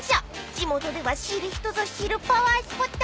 地元では知る人ぞ知るパワースポット］